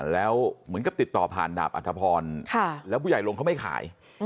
แล้วเหมือนกับติดต่อผ่านดาบอัธพรแล้วผู้ใหญ่ลงเขาไม่ขาย